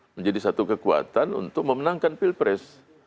menjadi satu kekuatan untuk memenangkan pilpres